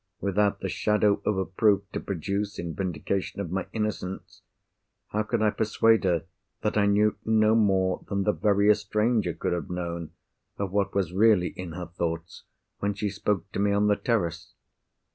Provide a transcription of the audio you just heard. Without the shadow of a proof to produce in vindication of my innocence, how could I persuade her that I knew no more than the veriest stranger could have known of what was really in her thoughts when she spoke to me on the terrace?